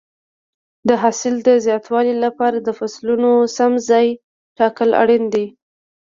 د حاصل د زیاتوالي لپاره د فصلونو سم ځای ټاکل اړین دي.